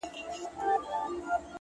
راته يادېږې شپه كړم څنگه تېره،